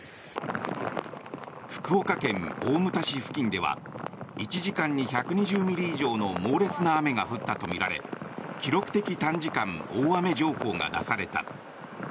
福岡県大牟田市付近では１時間に１２０ミリ以上の猛烈な雨が降ったとみられ記録的短時間大雨情報が出された。